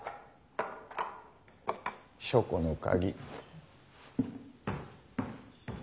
書庫の鍵。